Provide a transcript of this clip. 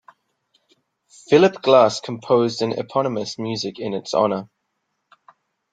Philip Glass composed an eponymous music in its honor.